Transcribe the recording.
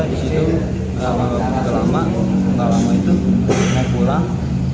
disitu lama lama itu pulang